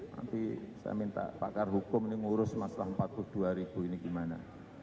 nanti saya minta pakar hukum ini ngurus masalah empat puluh dua ribu ini gimana